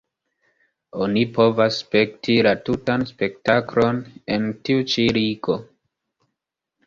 Oni povas spekti la tutan spektaklon en tiu ĉi ligo.